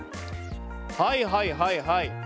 はいはいはいはい。